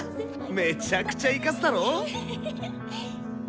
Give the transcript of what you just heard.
めちゃくちゃイカすだろ？